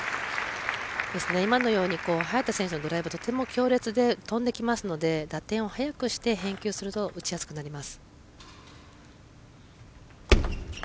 早田選手のドライブとても強烈で飛んできますので打点を速くして返球すると打ちやすくなります。